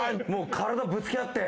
体ぶつけ合って。